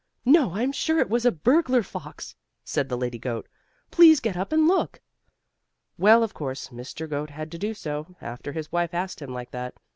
"No, I'm sure it was a burglar fox!" said the lady goat. "Please get up and look." Well, of course, Mr. Goat had to do so, after his wife asked him like that.